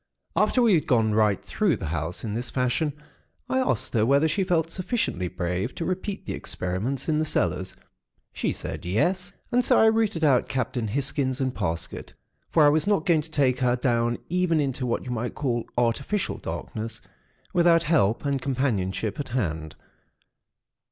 "After we had gone right through the house in this fashion, I asked her whether she felt sufficiently brave to repeat the experiments in the cellars. She said, yes; and so I rooted out Captain Hisgins and Parsket; for I was not going to take her down even into what you might call artificial darkness, without help and companionship at hand.